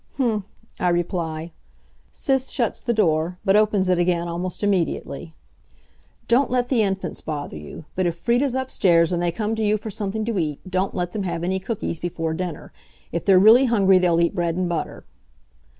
"Mhmph," I reply. Sis shuts the door, but opens it again almost immediately. "Don't let the Infants bother you. But if Frieda's upstairs and they come to you for something to eat, don't let them have any cookies before dinner. If they're really hungry they'll eat bread and butter."